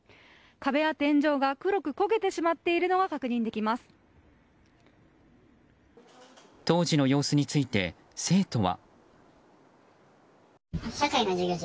壁や天井が黒く焦げてしまっているのが当時の様子について、生徒は。